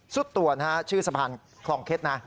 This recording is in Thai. สุดตัวนะฮะชื่อสะพานคลองเต็ดนะ